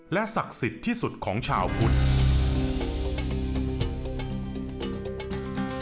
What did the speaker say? และศักดิ์สิทธิ์ที่สุดของชาวพุทธ